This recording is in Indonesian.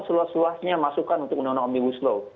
suasnya masukan untuk undang undang omnibus law